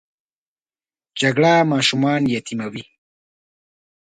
جګړه ماشومان یتیموي